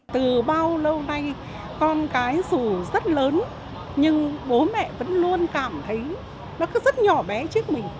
từ bao lâu nay con cái dù rất lớn nhưng bố mẹ vẫn luôn cảm thấy nó cứ rất nhỏ bé trước mình